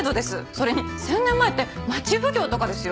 それに１０００年前って町奉行とかですよ。